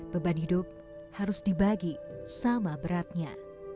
beban hidup harus dibagi sama beratnya